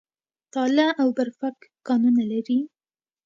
تاله او برفک کانونه لري؟